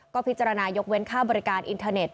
ก็พิจารณายกเว้นค่าบริการอินเทอร์เน็ต